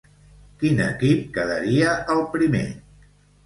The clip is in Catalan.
Quin equip quedaria el primer?